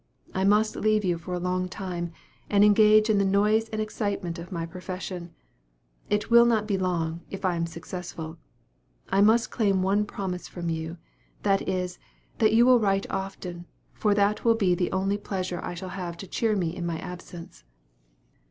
"I must leave you for a time, and engage in the noise and excitement of my profession. It will not be long, if I am successful. I must claim one promise from you, that is, that you will write often, for that will be the only pleasure I shall have to cheer me in my absence."